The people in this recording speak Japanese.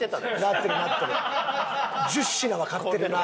１０品は買ってるな。